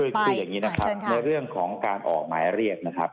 คืออย่างนี้นะครับในเรื่องของการออกหมายเรียกนะครับ